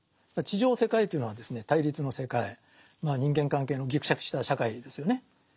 地上世界というのはですね対立の世界人間関係のぎくしゃくした社会ですよね。